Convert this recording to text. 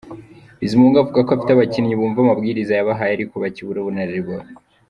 Bizimungu avuga ko afite abakinnyi bumva amabwiriza yabahaye ariko bakibura ubunararibonye.